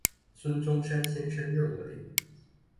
孫中山先生認為